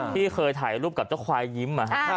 ที่เคยถ่ายรูปกับเจ้าควายยิ้ม